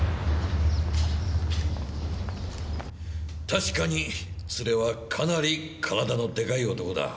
確かに連れはかなり体のでかい男だ。